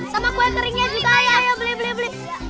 sama kue keringnya juga ayo beli beli beli